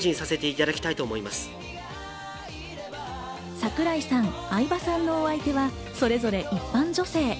櫻井さん、相葉さんのお相手はそれぞれ一般女性。